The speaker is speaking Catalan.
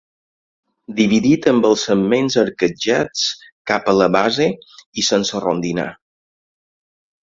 Dividit amb els segments arquejats cap a la base, i sense rondinar.